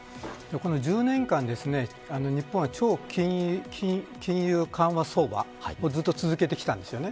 １０年間、日本は超金融緩和相場をずっと続けてきたんですよね。